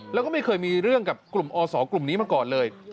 แล้วก็ไม่เคยมีเรื่องกับกลุ่มอศกลุ่มนี้มาก่อนเลย